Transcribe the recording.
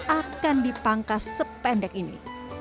akan dipangkas sependek ini